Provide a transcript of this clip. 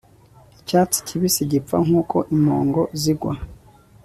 icyatsi kibisi gipfa nkuko impongo zigwa